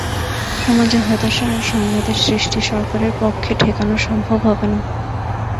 সমাজে হতাশা আর সংঘাতের সৃষ্টি সরকারের পক্ষে ঠেকানো সম্ভব হবে না।